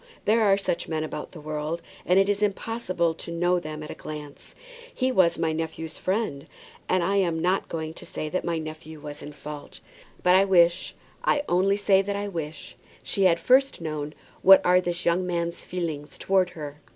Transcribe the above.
There are such men about the world, and it is impossible to know them at a glance. He was my nephew's friend, and I am not going to say that my nephew was in fault. But I wish, I only say that I wish, she had first known what are this young man's feelings towards her."